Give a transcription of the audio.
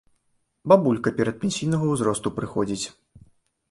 Бабулька перадпенсійнага ўзросту прыходзіць.